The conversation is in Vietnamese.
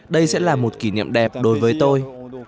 đây sẽ là một kỷ niệm đẹp đối với tôi